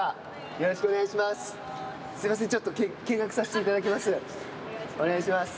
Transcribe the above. よろしくお願いします。